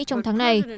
trong tháng này